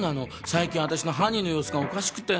最近私のハニーの様子がおかしくて。